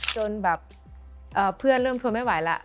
จนแบบเพื่อนเริ่มทนไม่ไหวแล้ว